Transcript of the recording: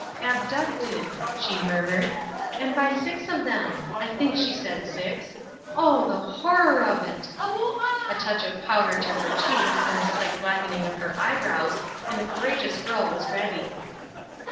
"Abducted!" she murmured, "and by six of them! I think she said six. Oh, the horror of it!" A touch of powder to her cheeks and a slight blackening of her eyebrows, and the courageous girl was ready.